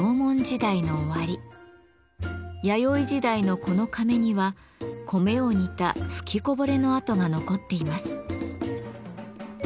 弥生時代のこの甕には米を煮た吹きこぼれの跡が残っています。